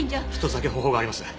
１つだけ方法があります。